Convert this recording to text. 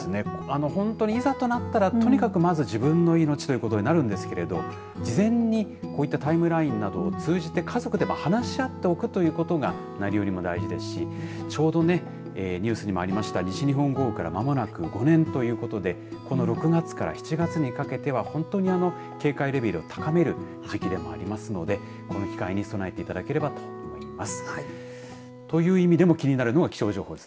本当にいざとなったらまず自分の命ということになるんですが事前にこういったタイムラインなどを通じて家族で話し合っておくということが何よりも大事ですしちょうどニュースにもありました西日本豪雨から間もなく５年ということでこの６月から７月にかけては本当に警戒レベルを高める時期でもありますのでこの機会に備えていただければと思います。